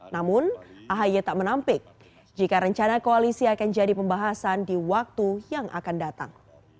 namun ahy tak menampik jika rencana koalisi akan jadi pembahasan di waktu yang akan datang